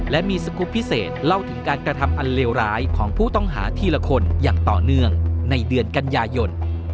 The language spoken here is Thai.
และมีสกุปพิเศษเล่าถึงการกระทำอันเลวร้ายของผู้ต้องหาทีละคนอย่างต่อเนื่องในเดือนกันยายน